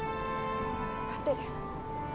わかってる。